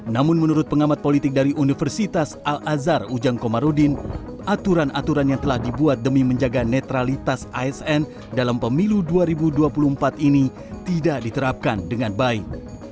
namun menurut pengamat politik dari universitas al azhar ujang komarudin aturan aturan yang telah dibuat demi menjaga netralitas asn dalam pemilu dua ribu dua puluh empat ini tidak diterapkan dengan baik